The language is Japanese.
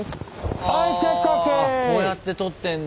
こうやって撮ってんだ。